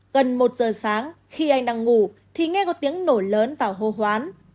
gần một giờ sáng khi anh đang ngủ thì nghe có tiếng nổ lớn và hô hoán